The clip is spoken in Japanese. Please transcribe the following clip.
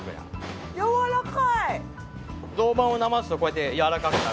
やわらかい！